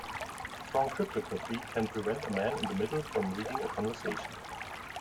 Strong cryptography can prevent a man in the middle from reading a conversation.